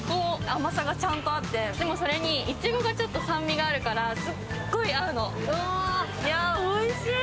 甘さがちゃんとあって、それにいちごがちょっと酸味があるからすっごい合うの。